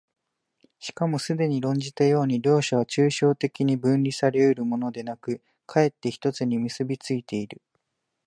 しかもすでに論じたように、両者は抽象的に分離され得るものでなく、却って一つに結び付いている。